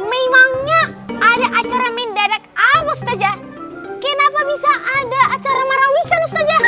memangnya ada acara mendadak apa ustazah kenapa bisa ada acara marawisan ustazah